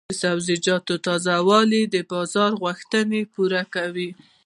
د سبزیجاتو تازه والي د بازار غوښتنې پوره کوي.